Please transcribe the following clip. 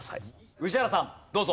宇治原さんどうぞ。